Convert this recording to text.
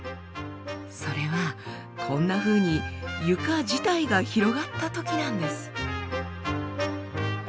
それはこんなふうに床自体が広がったときなんです。